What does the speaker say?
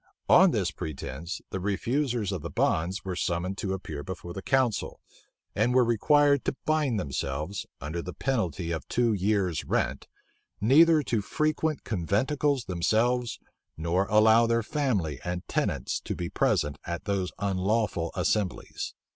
On this pretence, the refusers of the bonds were summoned to appear before the council, and were required to bind themselves, under the penalty of two years' rent, neither to frequent conventicles themselves, nor allow their family and tenants to be present at those unlawful assemblies.